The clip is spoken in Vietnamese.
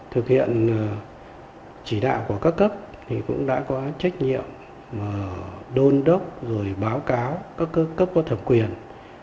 thực hiện chỉ đạo của các cấp thì cũng đã có trách nhiệm đôn đốc rồi báo cáo các cấp có thẩm quyền